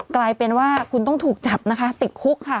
กลายเป็นว่าคุณต้องถูกจับนะคะติดคุกค่ะ